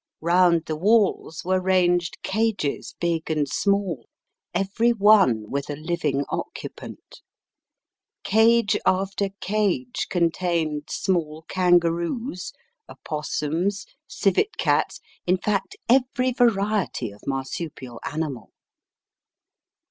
Round the walls were ranged cages big and small, every one with a living occupant. Cage alter cage contained small kangaroos, oppos sums, civet cats, in fact, every variety of marsupial animal.